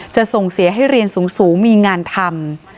ส่งเสียให้เรียนสูงมีงานทำ